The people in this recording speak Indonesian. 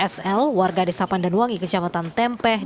sl warga desa pandanwangi kecamatan tempeh